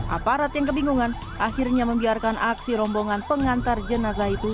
aparat yang kebingungan akhirnya membiarkan aksi rombongan pengantar jenazah itu